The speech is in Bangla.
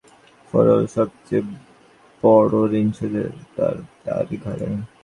ঋণশোধের সম্বল যার একেবারে ফুরোল সব চেয়ে বড়ো ঋণশোধের ভার তারই ঘাড়ে।